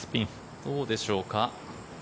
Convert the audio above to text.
どうでしょうか。